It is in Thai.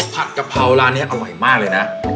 กะเพราร้านนี้อร่อยมากเลยนะ